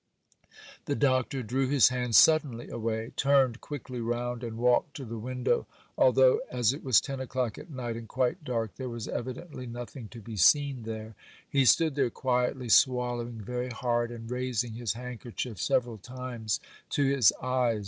_' The Doctor drew his hand suddenly away, turned quickly round, and walked to the window, although, as it was ten o'clock at night and quite dark, there was evidently nothing to be seen there. He stood there quietly, swallowing very hard, and raising his handkerchief several times to his eyes.